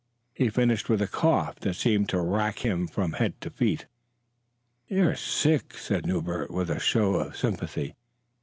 He finished with a cough that seemed to wrack him from head to feet. "You're sick," said Newbert, with a show of sympathy.